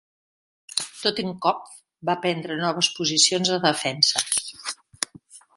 "Totenkopf" va prendre noves posicions de defensa.